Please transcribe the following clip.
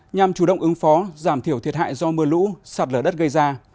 nhằm chủ động ứng phó giảm thiểu thiệt hại do mưa lũ sạt lở đất gây ra